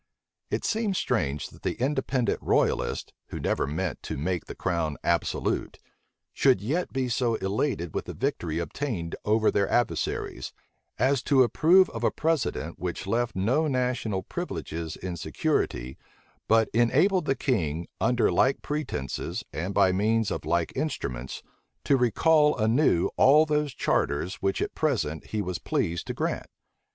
It seems strange that the independent royalists, who never meant to make the crown absolute, should yet be so elated with the victory obtained over their adversaries, as to approve of a precedent which left no national privileges in security, but enabled the king, under like pretences, and by means of like instruments, to recall anew all those charters which at present he was pleased to grant.